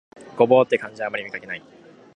牛蒡って漢字であまり見かけない